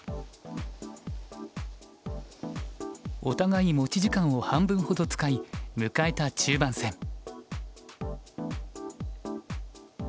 お互い持ち時間を半分ほど使い迎えた中盤戦。